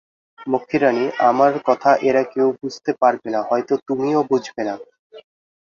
মক্ষীরানী, আমার কথা এরা কেউ বুঝতে পারবে না, হয়তো তুমিও বুঝবে না।